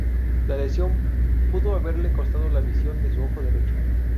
La lesión pudo haberle costado la visión de su ojo derecho.